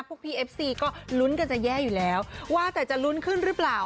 พวกพี่เอฟซีก็ลุ้นกันจะแย่อยู่แล้วว่าแต่จะลุ้นขึ้นหรือเปล่า